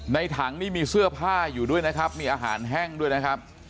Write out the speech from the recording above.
ถังนี่มีเสื้อผ้าอยู่ด้วยนะครับมีอาหารแห้งด้วยนะครับ